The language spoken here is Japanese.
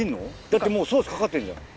だってもうソースかかってるじゃん。